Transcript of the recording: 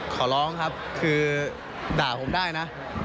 ขอร้องครับคือด่าผมได้นะ